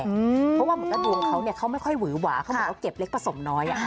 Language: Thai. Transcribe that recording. เพราะว่าเหมือนกับดวงเขาเนี่ยเขาไม่ค่อยหวือหวาเขาบอกว่าเก็บเล็กผสมน้อย